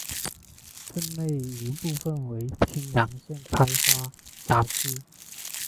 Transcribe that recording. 镇内一部分为青阳县开发区辖区。